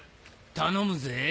頼むぜ。